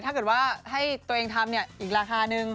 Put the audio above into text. ถ้าเกิดให้ตัวเองทำเนี่ยอีกราคาหนึ่ง